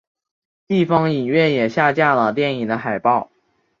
地方影院也下架了电影的海报。